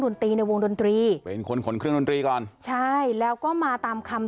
ดนตรีในวงดนตรีเป็นคนขนเครื่องดนตรีก่อนใช่แล้วก็มาตามคำ